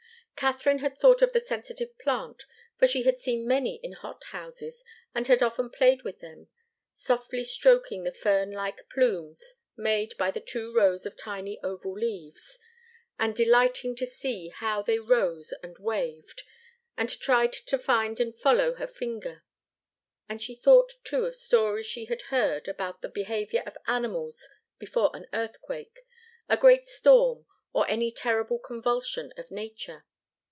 Katharine had thought of the sensitive plant, for she had seen many in hot houses and had often played with them, softly stroking the fern like plumes made by the two rows of tiny oval leaves, and delighting to see how they rose and waved, and tried to find and follow her finger. And she thought, too, of stories she had heard about the behaviour of animals before an earthquake, a great storm, or any terrible convulsion of nature.